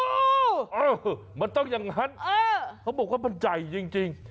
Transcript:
เออมันต้องอย่างนั้นเขาบอกว่ามันใหญ่จริง